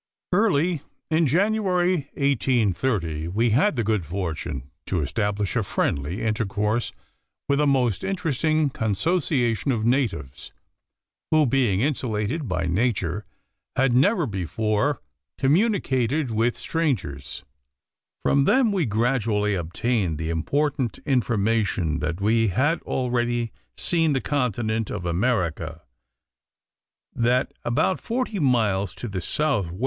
Early in January, 1830, we had the good fortune to establish a friendly intercourse with a most interesting consociation of natives, who, being insulated by nature, had never before communicated with strangers; from them we gradually obtained the important information that we had already seen the continent of America, that about 40 miles to the S. W.